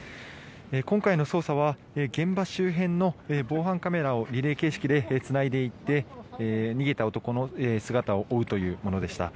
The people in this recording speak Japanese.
今回の捜査は現場周辺の防犯カメラをリレー形式でつないでいって逃げた男の姿を追うというものでした。